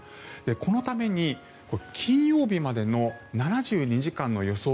このために金曜日までの７２時間の予想